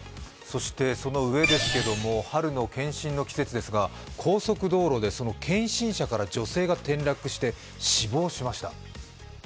その上、春の検診の季節ですが、高速道路でその検診車から女性が転落して死亡しました。